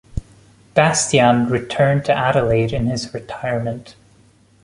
Bastyan returned to Adelaide in his retirement.